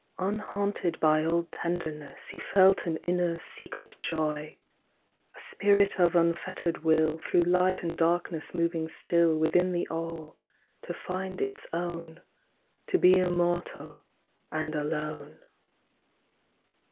Unhaunted by old tenderness He felt an inner secret joy! A spirit of unfettered will Through light and darkness moving still Within the All to find its own, To be immortal and alone.